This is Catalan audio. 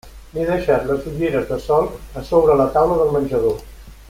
M'he deixat les ulleres de sol a sobre la taula del menjador.